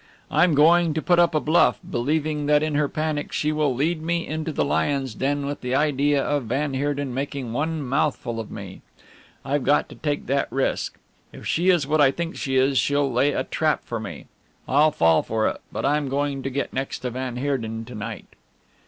"I'm going to put up a bluff, believing that in her panic she will lead me into the lion's den with the idea of van Heerden making one mouthful of me. I've got to take that risk. If she is what I think she is, she'll lay a trap for me I'll fall for it, but I'm going to get next to van Heerden to night."